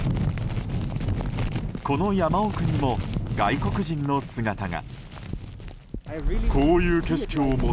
この山奥にも外国人の姿が。